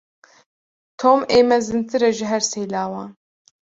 Tom ê mezintir e ji her sê lawan.